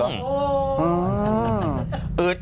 อืด